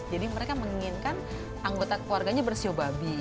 jadi mereka menginginkan anggota keluarganya bersiobabi